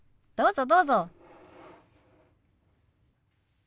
どうぞどうぞ。